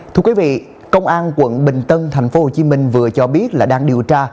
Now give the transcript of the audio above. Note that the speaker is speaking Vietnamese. thưa quý vị công an quận bình tân thành phố hồ chí minh vừa cho biết là đang điều tra